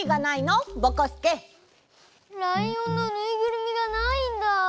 ライオンのぬいぐるみがないんだ。